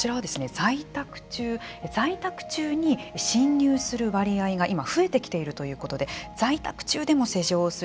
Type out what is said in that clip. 在宅中在宅中に侵入する割合が今増えてきているということで在宅中でも施錠をする。